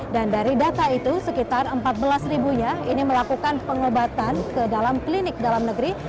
dan dari data itu sekitar empat belas ribunya ini melakukan pengobatan ke dalam klinik dalam negeri